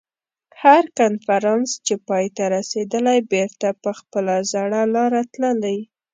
هر کنفرانس چې پای ته رسېدلی بېرته په خپله زړه لاره تللي.